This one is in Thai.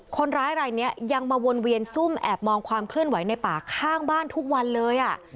คนร้ายรายนี้ยังมาวนเวียนซุ่มแอบมองความเคลื่อนไหวในป่าข้างบ้านทุกวันเลยอ่ะ